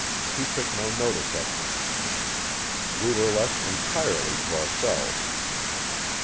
He took no notice of me. We were left entirely to ourselves.